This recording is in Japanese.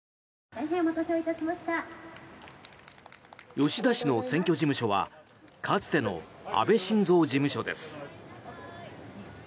吉田氏の選挙事務所はかつての安倍晋三事務所です。